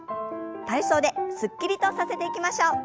体操ですっきりとさせていきましょう。